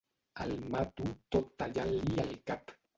El mato tot tallant-li el cap.